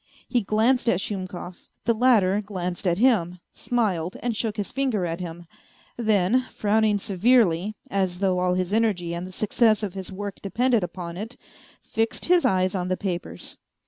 He glanced at Shumkov; the latter glanced at him, smiled, and shook his finger at him, then, frowning severely (as though all his energy and the success of his work depended upon it), fixed his eyes on the papers.